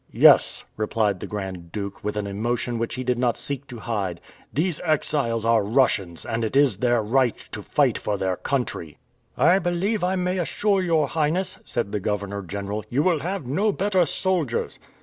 "Yes," replied the Grand Duke with an emotion which he did not seek to hide, "these exiles are Russians, and it is their right to fight for their country!" "I believe I may assure your Highness," said the governor general, "you will have no better soldiers."